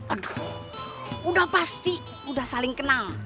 aduh udah pasti udah saling kenal